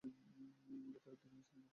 ভেতরে বিভিন্ন শ্রেণিকক্ষ।